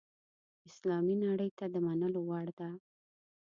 اسلامي نړۍ ته د منلو وړ ده.